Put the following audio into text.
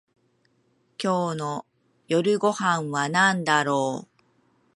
今日の夜ご飯はなんだろう